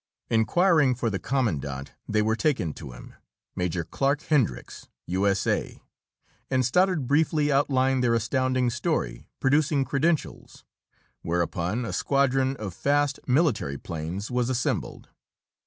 Inquiring for the commandant, they were taken to him Major Clark Hendricks, U.S.A. and Stoddard briefly outlined their astounding story, producing credentials, whereupon a squadron of fast military planes was assembled.